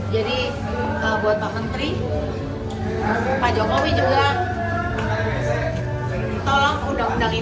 jadi buat pak menteri pak jokowi juga tolong undang undang ini